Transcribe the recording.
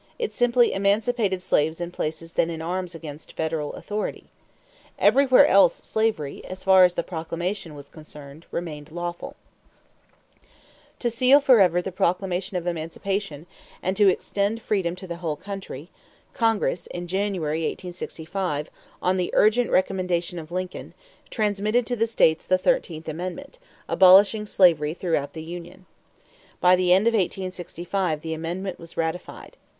It simply emancipated slaves in places then in arms against federal authority. Everywhere else slavery, as far as the Proclamation was concerned, remained lawful. [Illustration: ABRAHAM LINCOLN] To seal forever the proclamation of emancipation, and to extend freedom to the whole country, Congress, in January, 1865, on the urgent recommendation of Lincoln, transmitted to the states the thirteenth amendment, abolishing slavery throughout the United States. By the end of 1865 the amendment was ratified.